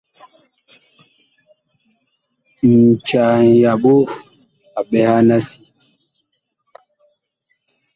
Ncaa ŋyaɓo a ɓɛhan a si.